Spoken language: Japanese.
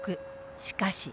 しかし